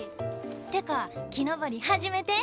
ってか木登り初めて？